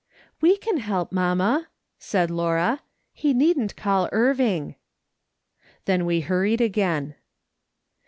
" We, can help, mamma," said Laura. " He needn't call Irving." Then we hurried again.